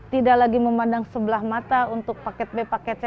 tidak lagi memandang sebelah mata untuk paket b paket c